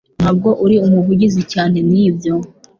Ntabwo uri umuvugizi cyane nibyo